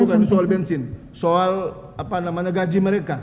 bukan soal bensin soal gaji mereka